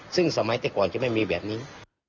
ซึ่งสมัยแต่ก่อนจะไม่มีแบบนี้